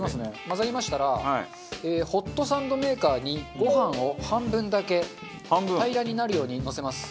混ざりましたらホットサンドメーカーにご飯を半分だけ平らになるようにのせます。